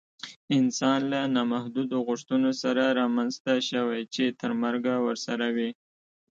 انسان له نامحدودو غوښتنو سره رامنځته شوی چې تر مرګه ورسره وي